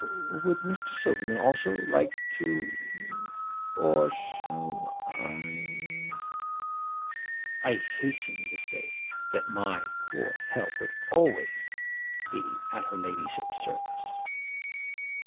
Would Mr. Silverman also like to—? Or shall I—?' I hastened to say that my poor help would be always at her ladyship's service.